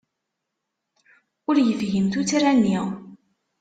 Ur yefhim tuttra-nni.